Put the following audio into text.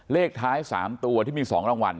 เลขท้าย๓ตัวที่มี๒รางวัล